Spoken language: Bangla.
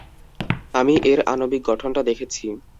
আমি এর আণবিক গঠনটা দেখেছি!